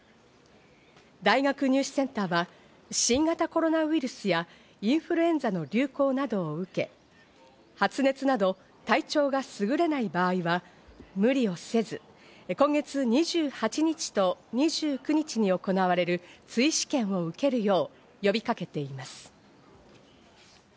大学入試センターは、新型コロナウイルスやインフルエンザの流行など受け、発熱など体調がすぐれない場合は無理をせず、今月２８日と２９日に行われる追試験を受けるよう呼びかけています。